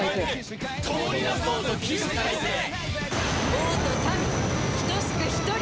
王と民等しく一人！